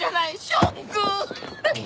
ショック！